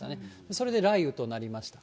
それで雷雨となりました。